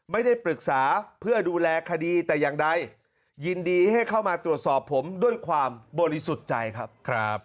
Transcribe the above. ไม่ได้ปรึกษาเพื่อดูแลคดีแต่อย่างใดยินดีให้เข้ามาตรวจสอบผมด้วยความบริสุทธิ์ใจครับ